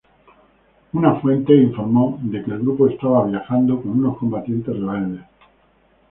Una fuente informó de que el grupo estaba viajando con unos combatientes rebeldes.